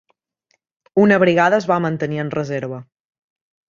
Una brigada es va mantenir en reserva.